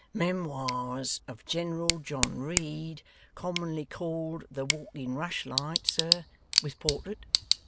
'Memoirs of General John Reid, commonly called The Walking Rushlight, sir? With portrait?